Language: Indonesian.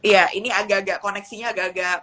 ya ini agak koneksinya agak agak